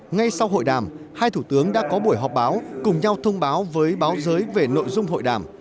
ngay sau hội đàm hai thủ tướng đã có buổi họp báo cùng nhau thông báo với báo giới về nội dung hội đàm